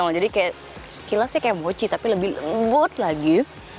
pupeda ini kenyal kenyal jadi sekilasnya kayak bocih tapi lebih lembut lagi